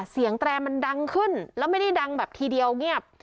แตรมันดังขึ้นแล้วไม่ได้ดังแบบทีเดียวเงียบ